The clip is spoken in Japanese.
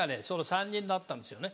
３人なったんですよね。